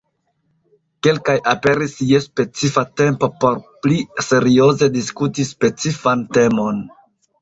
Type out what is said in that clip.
Kelkaj aperis je specifa tempo por pli serioze diskuti specifan temon.